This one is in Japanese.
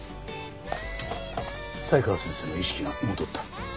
才川先生の意識が戻った。